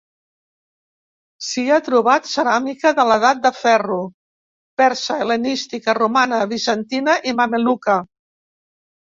S'hi ha trobat ceràmica de l'Edat de Ferro, persa, hel·lenística, romana, bizantina i mameluca.